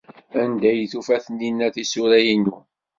Anda ay tufa Taninna tisura-inu?